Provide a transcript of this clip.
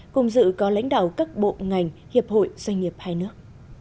cùng dự có lãnh đạo các bộ ngành hiệp hội doanh nghiệp hai nước